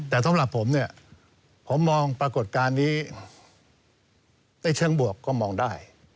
แต่สำหรับผมเนี่ยผมมองปรากฏการณ์นี้ในเชิงบวกก็มองได้